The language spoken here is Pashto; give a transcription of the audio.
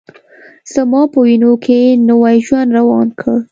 زما په وینوکې نوی ژوند روان کړ